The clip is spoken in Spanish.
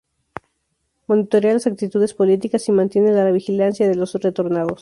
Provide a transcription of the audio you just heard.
Monitorea las actitudes políticas y mantiene la vigilancia de los retornados.